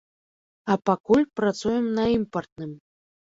А пакуль працуем на імпартным.